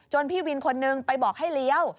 พี่วินคนนึงไปบอกให้เลี้ยว